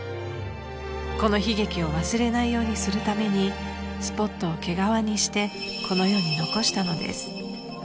［この悲劇を忘れないようにするためにスポットを毛皮にしてこの世に残したのです］